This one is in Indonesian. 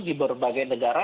di berbagai negara